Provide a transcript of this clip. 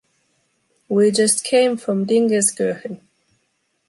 We just came from Dingenskirchen.